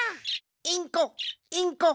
インコインコ！